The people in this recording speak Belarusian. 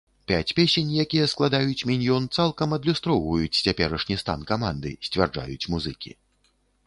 Пяць песень, якія складаюць міньён, цалкам адлюстроўваюць цяперашні стан каманды, сцвярджаюць музыкі.